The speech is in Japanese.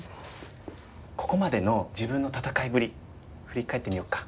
ここまでの自分の戦いぶり振り返ってみようか。